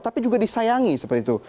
tapi juga disayangi seperti itu